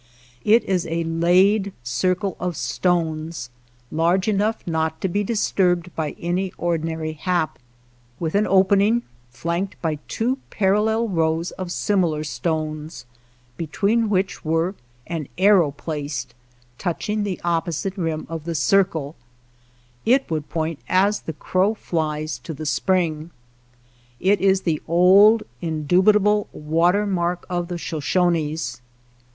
Jt, is a laid circle of stones large enough not to be disturbed by any ordinary hap, ^ ^T — WATER TRAILS OF THE CERISO with an opening flanked by two parallel rows of similar stones, between which were Fig. I. an arrow placed, touching the opposite rim of the circle, thus (Fig. i), it would point as the crow flies to the spring. It is the old, indubitable water mark of the Sho shones.